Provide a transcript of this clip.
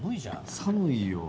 寒いよ。